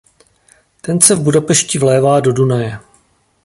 Ten se v Budapešti vlévá do Dunaje.